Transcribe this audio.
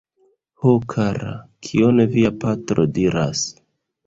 Ho kara, kion via patro diras?